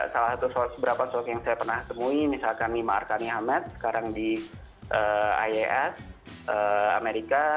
salah satu beberapa sosok yang saya pernah temui misalkan mimah arkani hamad sekarang di ias amerika